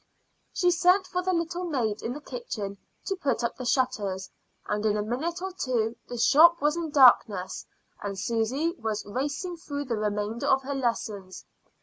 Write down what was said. She sent for the little maid in the kitchen to put up the shutters, and in a minute or two the shop was in darkness and Susy was racing through the remainder of her lessons.